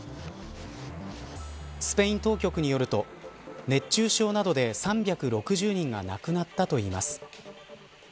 スペイン当局によると熱中症などで３６０人が亡くなったといいます。